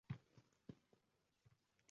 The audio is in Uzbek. Har qanday xalqdayam shunday zotlar bor